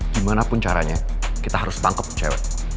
gimana pun caranya kita harus tangkep cewek